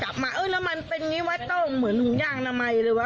จับมาเออแล้วมันเป็นอย่างนี้ไว้โต้งเหมือนหุงย่างนามัยเลยวะ